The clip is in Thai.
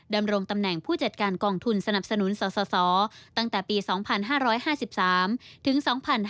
ดำรงตำแหน่งผู้จัดการกองทุนสนับสนุนสสตั้งแต่ปี๒๕๕๓ถึง๒๕๕๙